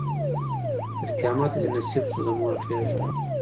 تر قیامته دي نصیب سوه د مور غیږه